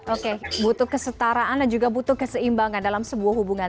oke butuh kesetaraan dan juga butuh keseimbangan dalam sebuah hubungan